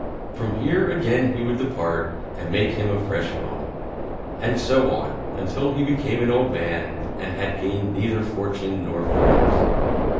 From here again he would Depart and make him a Fresh Home, and so on until he Became an Old Man and had gained neither Fortune nor Friends.